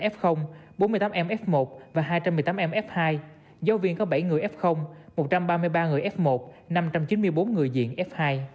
f bốn mươi tám em f một và hai trăm một mươi tám em f hai giáo viên có bảy người f một trăm ba mươi ba người f một năm trăm chín mươi bốn người diện f hai